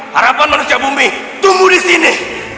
harapan manusia bumi tumbuh di sini